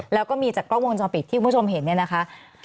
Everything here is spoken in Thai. แล้วก็มีจากกล้องวงจรปิดที่คุณผู้ชมเห็นเนี่ยนะคะ